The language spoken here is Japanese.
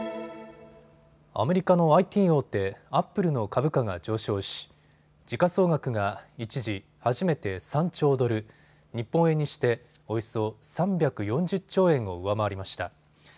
アメリカのＩＴ大手、アップルの株価が上昇し時価総額が一時、初めて３兆ドル、日本円にしておよそ３４０兆円を上回りました。